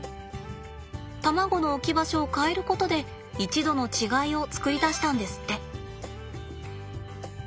卵の置き場所を変えることで１℃の違いを作り出したんですって。